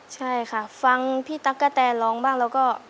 ใช่ค่ะฟังพี่ตั๊กกะแตนร้องบ้างแล้วก็